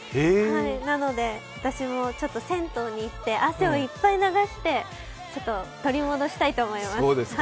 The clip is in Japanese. なので、私もちょっと銭湯に行って汗をいっぱい流して取り戻したいと思います。